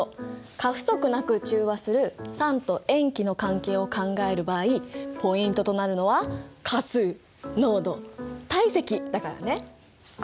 過不足なく中和する酸と塩基の関係を考える場合ポイントとなるのは価数濃度体積。